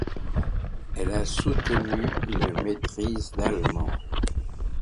Elle a soutenu une maitrise d'allemand.